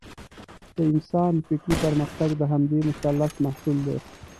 د انسان فکري پرمختګ د همدې مثلث محصول دی.